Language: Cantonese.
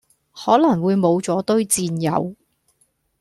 可能會無咗堆戰友